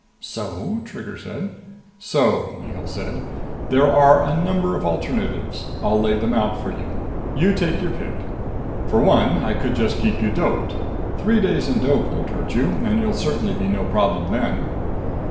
"So?" Trigger said. "So," Mihul said, "there are a number of alternatives. I'll lay them out for you. You take your pick. For one, I could just keep you doped. Three days in dope won't hurt you, and you'll certainly be no problem then.